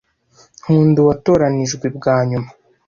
nkunda uwatoranijwe bwa nyuma